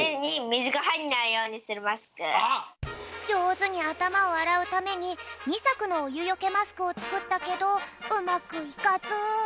じょうずにあたまをあらうために２さくのおゆよけマスクをつくったけどうまくいかず。